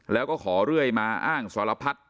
แล้วก็ขอเรื่อยมาอ้างสารพัด